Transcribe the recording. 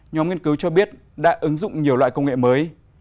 nhóm nghiên cứu cho biết đã ứng dụng nhiều loại công nghệ mới